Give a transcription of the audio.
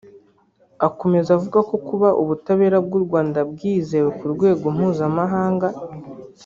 Akomeza avuga ko kuba ubutabera bw’u Rwanda bwizewe ku rwego mpuzamahanga